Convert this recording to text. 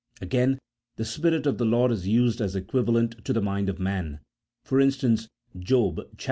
Again, the " Spirit of the Lord " is used as equivalent to the mind of man, for instance, Job xxvii.